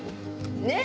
ねっ？